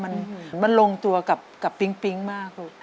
มันลงตัวกับปิ๊งปิ๊งมากลูก